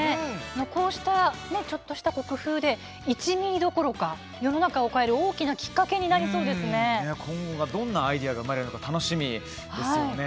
こうしたちょっとした工夫で１ミリどころか世の中を変える大きなきっかけに今後どんなアイデアが生まれるのか楽しみですね。